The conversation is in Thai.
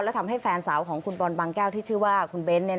และทำให้แฟนสาวของคุณบอลบางแก้วที่ชื่อว่าคุณเบ้น